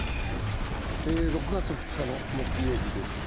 ６月２日の木曜日です。